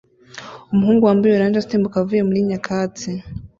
umuhungu wambaye orange asimbuka avuye muri nyakatsi